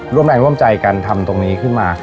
ร่วมแรงร่วมใจกันทำตรงนี้ขึ้นมา